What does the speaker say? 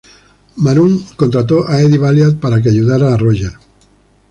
Maroon contrató a Eddie Valiant para que ayudara a Roger.